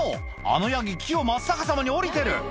あのヤギ、木を真っ逆さまに下りてる。